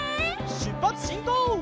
しゅっぱつしんこう！